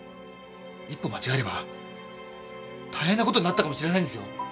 一歩間違えれば大変なことになったかもしれないんですよ。